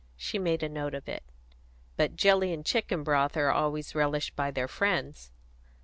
She made a note of it. "But jelly and chicken broth are always relished by their friends."